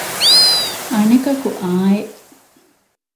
އަނެކަކު އާނއެއް